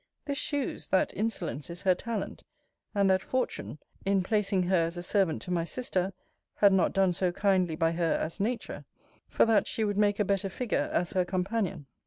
This shews, that insolence is her talent: and that Fortune, in placing her as a servant to my sister, had not done so kindly by her as Nature; for that she would make a better figure as her companion.